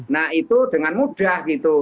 nah itu dengan mudah gitu